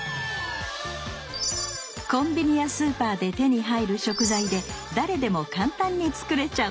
コンビニやスーパーで手に入る食材で誰でも簡単に作れちゃう！